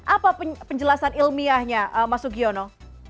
apa penjelasan ilmiahnya mas sugiono